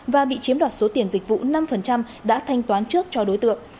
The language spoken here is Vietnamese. và bị chiếm đoạt số tiền dịch vụ năm đã thanh toán trước cho đối tượng